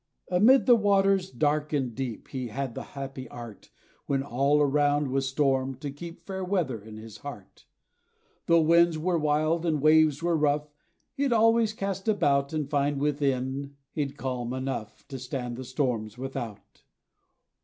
Amid the waters dark and deep, He had the happy art, When all around was storm, to keep Fair weather in his heart. Though winds were wild, and waves were rough, He 'd always cast about, And find within he 'd calm enough To stand the storms without.